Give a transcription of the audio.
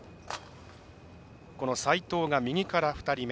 齋藤が右から２人目。